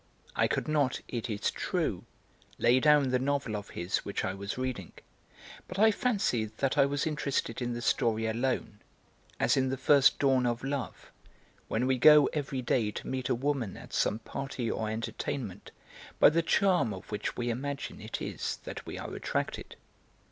I could not, it is true, lay down the novel of his which I was reading, but I fancied that I was interested in the story alone, as in the first dawn of love, when we go every day to meet a woman at some party or entertainment by the charm of which we imagine it is that we are attracted.